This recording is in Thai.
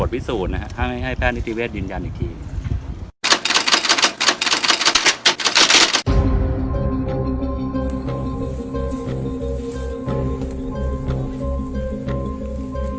ผู้ชายอืมแต่ต้องใช้ผลตัวทางนิติวิทยาศาสตร์